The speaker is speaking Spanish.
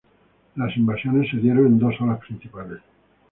Las invasiones se dieron en dos olas principales.